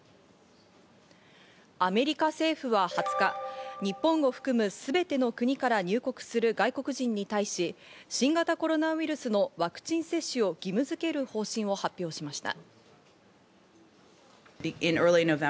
アメリカ政府は２０日、日本を含むすべての国から入国する外国人に対し、新型コロナウイルスのワクチン接種を義務づける方針を発表しました。